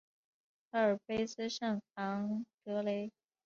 阿尔卑斯圣昂德雷。